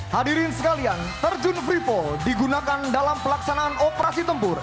hadirin sekalian terjun free fall digunakan dalam pelaksanaan operasi tempur